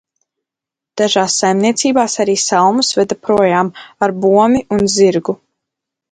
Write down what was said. Dažās saimniecībās arī salmus veda projām ar bomi un zirgu.